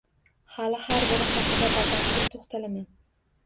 Hali har biri haqida batafsil toʻxtalaman.